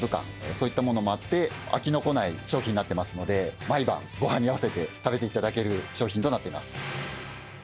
そういった物もあって飽きのこない商品になってるので毎晩ご飯に合わせて食べていただける商品となっています。